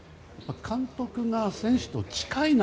監督が、選手と近いな。